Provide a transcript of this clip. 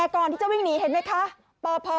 ก็คือฮ่าแบบนี้ก็ออกมาเท่านี้ให้ได้พี่